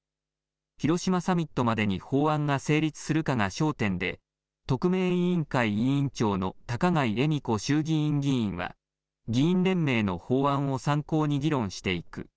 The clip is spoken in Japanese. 広島サミットまでに法案が成立するかが焦点で、特命委員会委員長の高階恵美子衆議院議員は、議員連盟の法案を参考に議論していく。